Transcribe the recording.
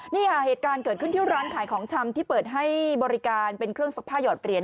นี่ค่ะเหตุการณ์เกิดขึ้นที่ร้านขายของชำที่เปิดให้บริการเป็นเครื่องซักผ้าหยอดเหรียญ